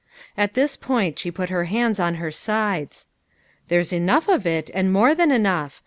At this point she put her hands on her sides. " There's enough of it, and more than enough.